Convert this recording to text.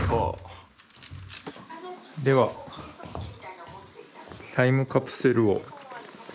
ではタイムカプセルを。